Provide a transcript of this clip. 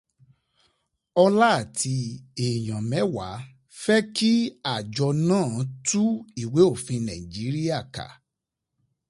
Ọlá àti èèyan mẹ́wàá fẹ́ kí àjọ náà tú ìwé òfin Nàíjíríà ká.